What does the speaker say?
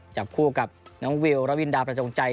จับคู่กับน้องวิวระวินดาประจงใจ